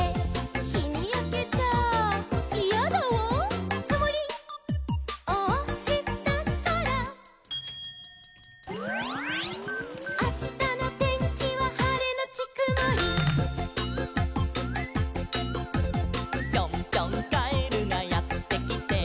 「『ひにやけちゃイヤだわ』」「くもりをおしたから」「あしたのてんきははれのちくもり」「ぴょんぴょんカエルがやってきて」